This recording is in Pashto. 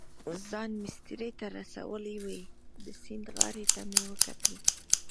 ځان مېسترې ته رسولی وای، د سیند غاړې ته مې وکتل.